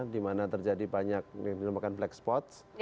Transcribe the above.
di mana terjadi banyak yang dilakukan black spots